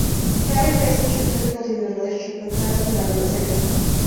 Towey faced some difficulties in his relationships with faculty members at Saint Vincent.